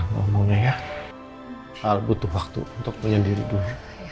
ngomongnya ya butuh waktu untuk menyendiri dulu